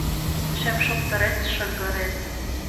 Шемшоптырет шыгырет